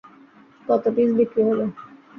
কত পিস বিক্রি হলো?